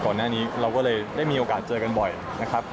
ก่อนหน้านี้เราก็เลยได้มีโอกาสเจอกันบ่อยนะครับ